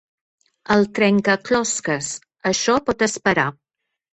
El trencaclosques. Això pot esperar.